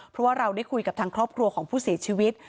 เพราะว่าเราได้คุยกับทางครอบครัวของผู้เสียชีวิต